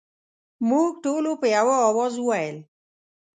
موږ ټولو په یوه اواز وویل.